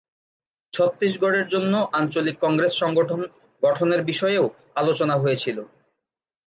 ছত্তিশগড়ের জন্য আঞ্চলিক কংগ্রেস সংগঠন গঠনের বিষয়েও আলোচনা হয়েছিল।